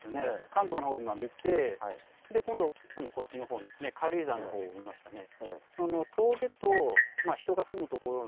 関東の方を今見て今度こっちの方の軽井沢の方を見ましたね。